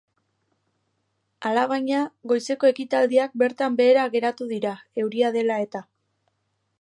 Alabaina, goizeko ekitaldiak bertan behera geratu dira, euria dela eta.